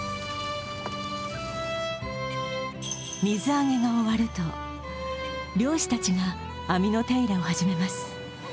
水揚げが終わると、漁師たちが網の手入れを始めます。